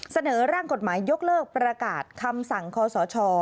เสนอร่างกฎหมายยกเลิกประกาศคำสั่งคอสช